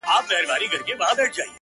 ستا وه ديدن ته هواداره يمه!!